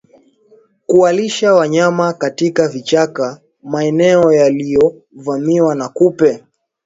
Kuwalisha wanyama katika vichaka maeneo yaliyovamiwa na kupe